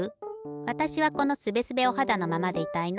わたしはこのすべすべおはだのままでいたいな。